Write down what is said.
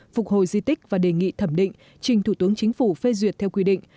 phục hồi di tích và đề nghị thẩm định trình thủ tướng chính phủ phê duyệt theo quy định